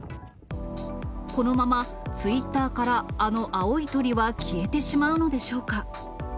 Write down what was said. このままツイッターからあの青い鳥は消えてしまうのでしょうか。